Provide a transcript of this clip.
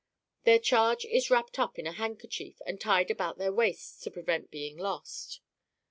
Their charge is wrapped up in a handkerchief and tied about their waists to prevent being lost.